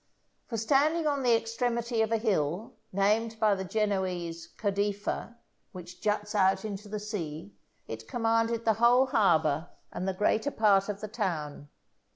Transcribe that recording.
For standing on the extremity of a hill, named by the Genoese Codefa, which juts out into the sea, it commanded the whole harbour and the greater part of the town.